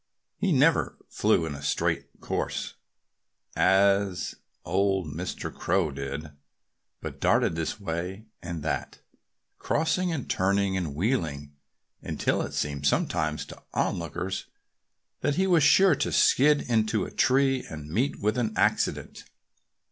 He never flew in a straight course, as old Mr. Crow did, but darted this way and that, crossing and turning and wheeling, until it seemed sometimes to onlookers that he was sure to skid into a tree and meet with an accident.